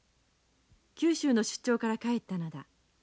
九州の出張から帰ったのだ。